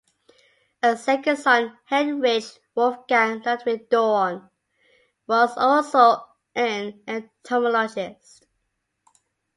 A second son Heinrich Wolfgang Ludwig Dohrn was also an entomologist.